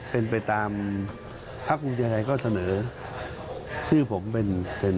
เป็นไปตามพักภูมิใจไทยก็เสนอชื่อผมเป็นเป็น